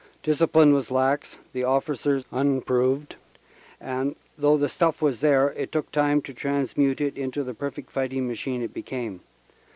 Discipline was lax, the officers unproved, and though the stuff was there, it took time to transmute it into the perfect fighting machine it became.